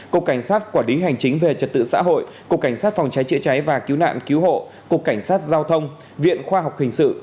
cục cảnh sát quản lý hành chính về trật tự xã hội cục cảnh sát phòng cháy chữa cháy và cứu nạn cứu hộ cục cảnh sát giao thông viện khoa học hình sự